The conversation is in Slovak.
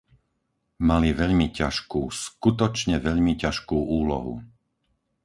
Mali veľmi ťažkú, skutočne veľmi ťažkú úlohu.